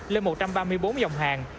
lên một trăm ba mươi bốn dòng hàng